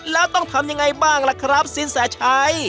แล้วต้องทำยังไงบ้างล่ะครับสินแสชัย